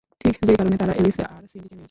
ঠিক যেই কারণে তারা এলিস, আর সিন্ডিকে মেরেছে।